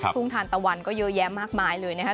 ทุ่งทานตะวันก็เยอะแยะมากมายเลยนะครับ